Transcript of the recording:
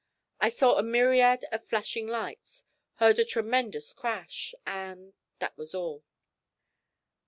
I saw a myriad of flashing lights, heard a tremendous crash, and that was all.